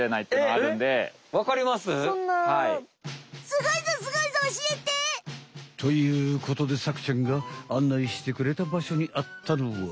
すごいぞすごいぞおしえて！ということでサクちゃんがあんないしてくれたばしょにあったのは。